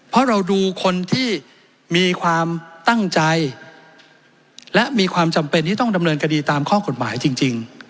เพราะเราดูคนที่มีความตั้งใจและมีความจำเป็นที่ต้องดำเนินคดีตามข้อกฎหมายจริง